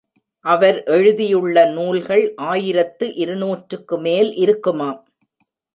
அவர் எழுதியுள்ள நூல்கள் ஆயிரத்து இருநூறுக்கு மேல் இருக்குமாம்.